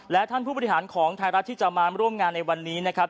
และท่านผู้บริหารของไทยรัฐที่จะมาร่วมงานในวันนี้นะครับ